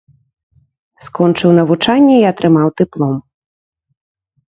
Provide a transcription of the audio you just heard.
Скончыў навучанне і атрымаў дыплом.